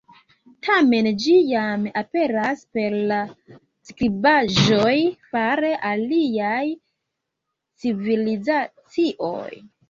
Tamen ĝi jam aperas per la skribaĵoj far aliaj civilizacioj.